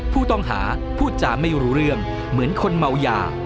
ผู้ต้องหาพูดจาไม่รู้เรื่องเหมือนคนเมายา